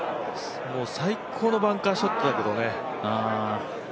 最高のバンカーショットだけどね。